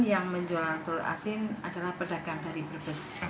yang menjualan telur asin adalah pedagang dari brebes